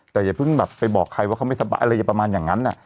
แต่อย่าเพิ่งแบบไปบอกใครว่าเขาไม่สบายอะไรประมาณอย่างนั้น